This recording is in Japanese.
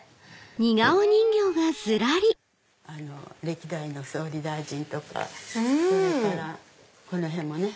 歴代の総理大臣とかそれからこの辺もね。